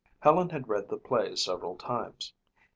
Helen had read the play several times.